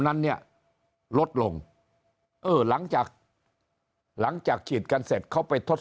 นั้นเนี่ยลดลงเออหลังจากหลังจากหลังจากฉีดกันเสร็จเขาไปทด